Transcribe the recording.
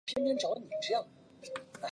母亲是林慕兰。